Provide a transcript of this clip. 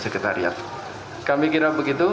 kami kira begitu